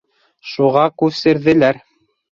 Шуға күсерҙеләр.